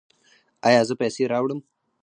ایا زه پیسې راوړم؟